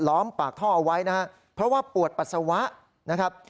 ปากท่อเอาไว้นะครับเพราะว่าปวดปัสสาวะนะครับ